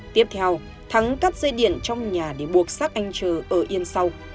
tiếp theo thắng cắt dây điện trong nhà để buộc xác anh trừ ở yên sau